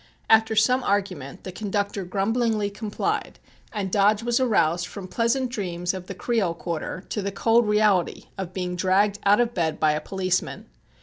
After some argument the conductor grumblingly complied and Dodge was aroused from pleasant dreams of the "Creole Quarter" to the cold reality of being dragged out of bed by a policeman.